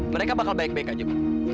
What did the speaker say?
mereka bakal baik baik aja pak